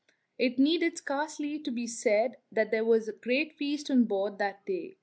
It need scarcely be said that there was a great feast on board that day.